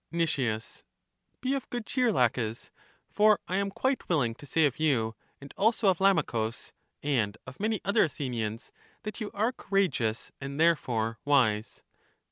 Nic. Be of good cheer, Laches; for I am quite 114 LACHES willing to say of you and also of Lamachus, and of many other Athenians, that you are courageous and therefore wise.